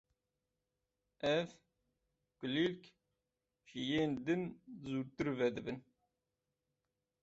Ev kulîlk ji yên din zûtir vedibin.